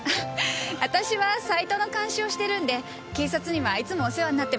私はサイトの監視をしてるんで警察にはいつもお世話になってます。